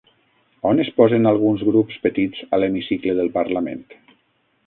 On es posen alguns grups petits a l'hemicicle del Parlament?